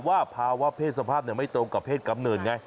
ว่าภาวะเพศสภาพไม่ตรงกับเพศกำเนิดไง